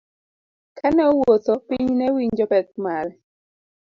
Kane owuotho, piny newinjo pek mare.